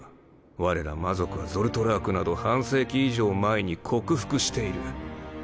われら魔族は人を殺す魔法など半世紀以上前に克服している。